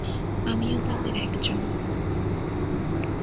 আমিও তাদের একজন।